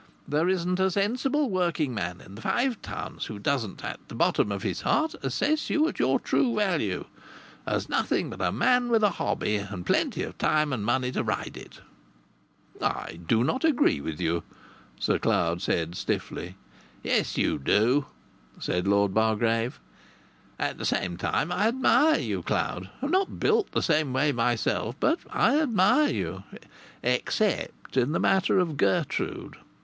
There isn't a sensible working man in the Five Towns who doesn't, at the bottom of his heart, assess you at your true value as nothing but a man with a hobby, and plenty of time and money to ride it." "I do not agree with you," Sir Cloud said stiffly. "Yes, you do," said Lord Bargrave. "At the same time I admire you, Cloud. I'm not built the same way myself, but I admire you except in the matter of Gertrude.